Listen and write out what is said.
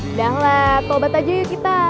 udah lah tobat aja yuk kita